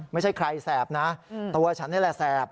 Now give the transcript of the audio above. ไม่ใช่ใครแสบนะตัวฉันนี่แหละแสบ